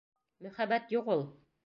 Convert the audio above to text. Мөхәббәт юҡ ул!